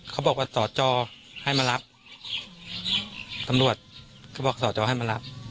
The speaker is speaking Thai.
เขาบอกว่าสอจอให้มารับตำรวจเขาบอกสอจอให้มารับ